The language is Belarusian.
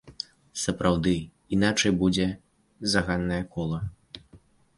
Сапраўды, іначай будзе заганнае кола.